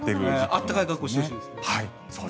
暖かい格好をしてほしいです。